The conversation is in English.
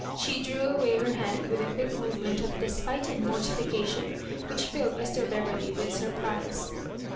She drew away her hand with a quick movement of despite and mortification, which filled Mr. Beverley with sur prise.